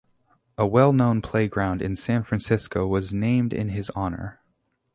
A well-known playground in San Francisco was named in his honor.